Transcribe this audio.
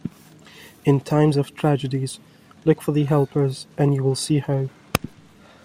In times of tragedies, look for the helpers and you will see hope.